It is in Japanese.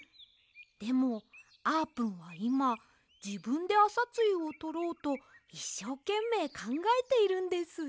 でもあーぷんはいまじぶんであさつゆをとろうといっしょうけんめいかんがえているんです！